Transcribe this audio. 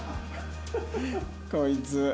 こいつ。